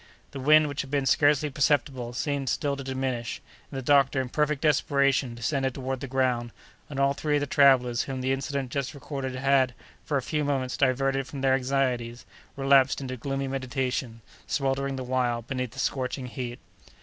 The wind, which had been scarcely perceptible, seemed still to diminish, and the doctor in perfect desperation descended toward the ground, and all three of the travellers, whom the incident just recorded had, for a few moments, diverted from their anxieties, relapsed into gloomy meditation, sweltering the while beneath the scorching heat.